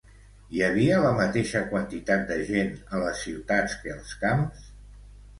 Hi havia la mateixa quantitat de gent a les ciutats que als camps?